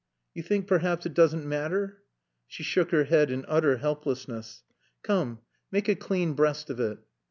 "You think, perhaps, it doesn't matter?" She shook her head in utter helplessness. "Come, make a clean breast of it."